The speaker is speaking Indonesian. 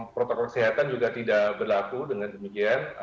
protokol kesehatan juga tidak berlaku dengan demikian